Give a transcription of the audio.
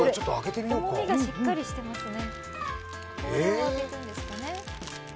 重みがしっかりしていますね。